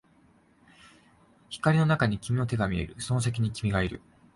光の中に君の手が見える、その先に君がいる